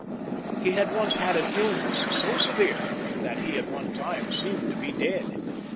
He had once had an illness so severe that he at one time seemed to be dead.